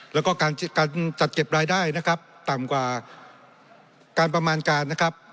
แล้วก็การจัดเก็บรายได้นะครับต่ำกว่าการประมาณการนะครับ